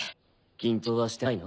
緊張はしてないの？